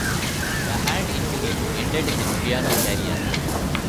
A hand injury ended his piano career.